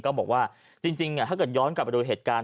ก็บอกว่าจริงถ้าเกิดย้อนกลับไปดูเหตุการณ์